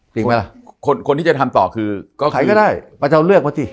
จริงมั้ยล่ะคนทีจะทำต่อคือก็ใครก็ได้ประเจ้าเลือกมาสิ